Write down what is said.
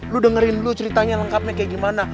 lo dengerin lo ceritanya lengkapnya kayak gimana